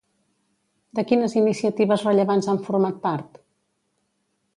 De quines iniciatives rellevants han format part?